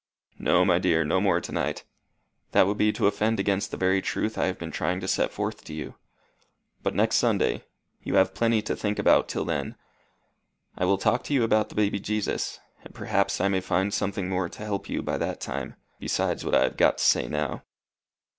"No, my dear; no more to night. That would be to offend against the very truth I have been trying to set forth to you. But next Sunday you have plenty to think about till then I will talk to you about the baby Jesus; and perhaps I may find something more to help you by that time, besides what I have got to say now."